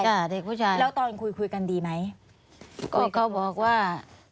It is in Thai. เด็กผู้ชายแล้วตอนคุยคุยกันดีไหมก็เขาบอกว่า